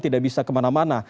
tidak bisa kemana mana